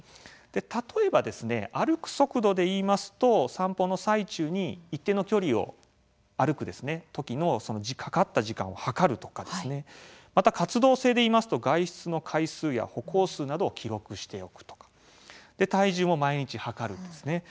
例えば、歩く速度でいいますと散歩の最中に一定の距離を歩くときのかかった時間を計るとかですねまた活動性でいいますと外出の回数や歩行数などを記録しておくとかで、体重も毎日量るんですね。